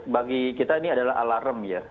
bagi kita ini adalah alarm ya